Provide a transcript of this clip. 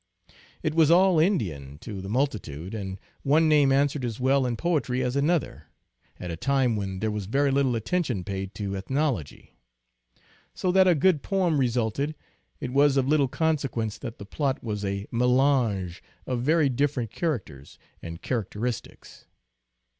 It was " all Indian " to the multitude, and one name answered as well in poetry as another, at a time when there was very little attention paid to ethnology. So that a good poem resulted, it was of little consequence that the plot was a melange of very different characters, and character istics.